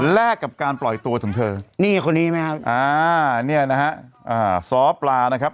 แลกกับการปล่อยตัวของเธอนี่คนนี้ไหมครับอ่าเนี่ยนะฮะอ่าซ้อปลานะครับ